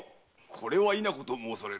これは否ことを申される。